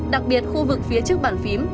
đặc biệt khu vực phía trước bàn phím